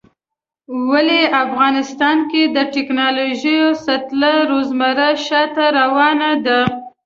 ولی افغانستان کې د ټيکنالوژۍ سطحه روزمره شاته روانه ده